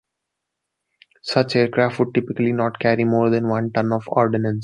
Such aircraft would typically not carry more than one ton of ordnance.